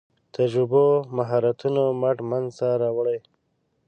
تجربو مهارتونو مټ منځ ته راوړي.